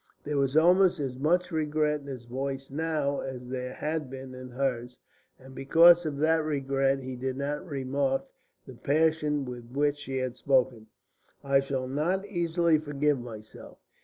There was almost as much regret in his voice now as there had been in hers; and because of that regret he did not remark the passion with which she had spoken. "I shall not easily forgive myself.